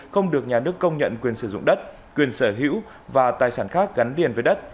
không được nhà nước công nhận quyền sử dụng đất quyền sở hữu và tài sản khác gắn